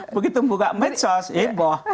begitu buka medsos ya boh